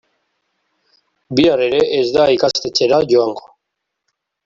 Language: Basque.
Bihar ere ez da ikastetxera joango.